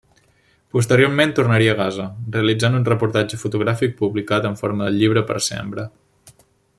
Posteriorment tornaria a Gaza, realitzant un reportatge fotogràfic publicat en forma de llibre per Sembra.